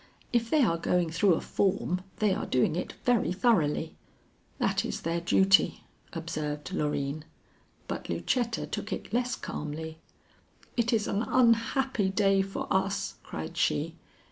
If they are going through a form, they are doing it very thoroughly." "That is their duty," observed Loreen, but Lucetta took it less calmly. "It is an unhappy day for us!" cried she.